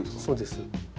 そうです。